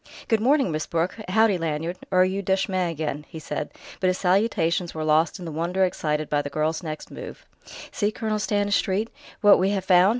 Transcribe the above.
"Good morning, Miss Brooke. Howdy, Lanyard or are you Duchemin again?" he said; but his salutations were lost in the wonder excited by the girl's next move. "See, Colonel Stanistreet, what we have found!"